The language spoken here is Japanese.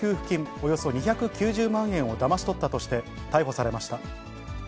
およそ２９０万円をだまし取ったとして逮捕されました。